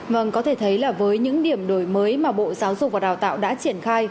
vâng có thể thấy là với những điểm đổi mới mà bộ giáo dục và đào tạo đã triển khai